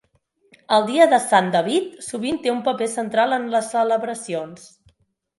El dia de Sant David sovint té un paper central en les celebracions.